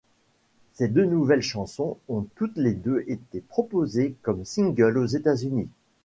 Ces deux nouvelles chansons ont toutes les deux été proposées comme single aux États-Unis.